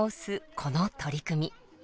この取り組み。